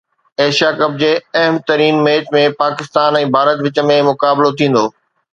Asia cup جي اهم ترين ميچ ۾ پاڪستان ۽ ڀارت وچ ۾ مقابلو ٿيندو